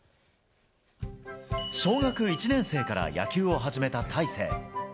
小学１年生から野球を始めた大勢。